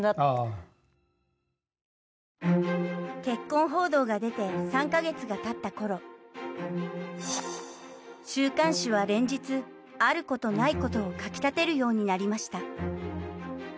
結婚報道が出て３か月がたった頃週刊誌は連日あることないことを書き立てるようになりました。